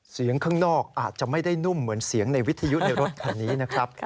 ข้างนอกอาจจะไม่ได้นุ่มเหมือนเสียงในวิทยุในรถคันนี้นะครับ